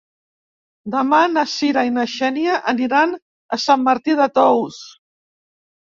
Demà na Cira i na Xènia aniran a Sant Martí de Tous.